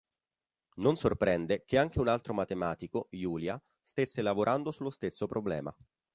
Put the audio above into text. Non sorprende che anche un altro matematico, Julia, stesse lavorando sullo stesso problema.